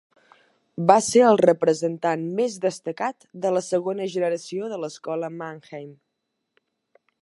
Va ser el representant més destacat de la segona generació de l'Escola Mannheim.